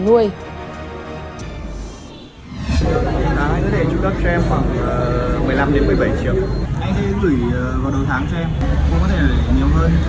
thầy gửi vào đầu tháng cho em bố có thể là nhiều hơn hai mươi đợt nhưng em biết chiều anh